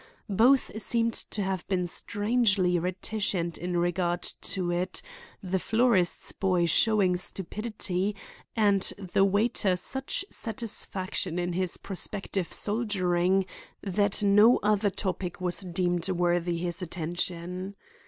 Both seemed to have been strangely reticent in regard to it, the florist's boy showing stupidity and the waiter such satisfaction in his prospective soldiering that no other topic was deemed worthy his attention.